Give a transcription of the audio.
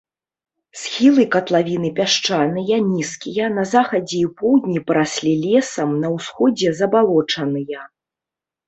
Схілы катлавіны пясчаныя, нізкія, на захадзе і поўдні параслі лесам, на ўсходзе забалочаныя.